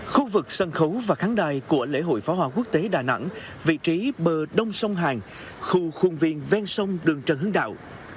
khu vực sân khấu và khán đài của lễ hội phá hoa quốc tế đà nẵng vị trí bờ đông sông hàn khu khuôn viên ven sông đường trần hưng đạo